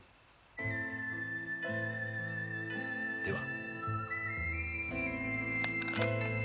では。